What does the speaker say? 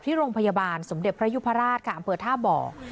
ที่โรงพยาบาลสมเด็จพระยุพราชค่ะอำเภอท่าบ่อ